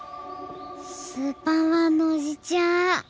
スーパーマンのおじちゃん。